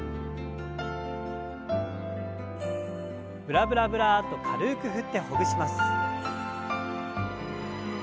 ブラブラブラッと軽く振ってほぐします。